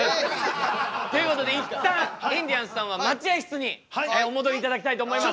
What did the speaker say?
ということで一旦インディアンスさんは待合室にお戻りいただきたいと思います。